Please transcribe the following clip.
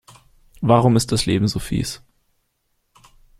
Warum ist das Leben so fieß?